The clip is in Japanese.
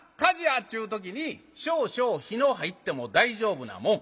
っちゅう時に少々火の入っても大丈夫なもん。